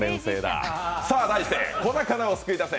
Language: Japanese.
題して「小魚を救い出せ！